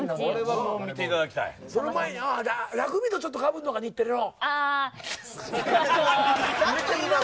その前にラグビーとちょっとかぶるのか日テレの。